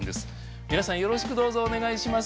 皆さんよろしくどうぞお願いします。